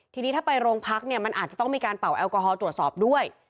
ทีนี้ถ้าไปโรงพักเนี่ยมันอาจจะต้องมีการเป่าแอลกอฮอลตรวจสอบด้วย